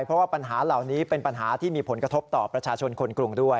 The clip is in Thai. เพราะว่าปัญหาเหล่านี้เป็นปัญหาที่มีผลกระทบต่อประชาชนคนกรุงด้วย